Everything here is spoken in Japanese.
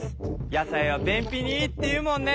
野菜は便ぴにいいっていうもんね。